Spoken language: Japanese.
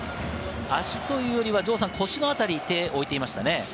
足というよりも腰のあたりに手を置いていましたね。